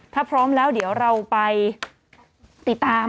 ถ้าพร้อมแล้วเดี๋ยวเราไปติดตาม